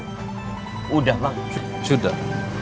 sudah bang sudah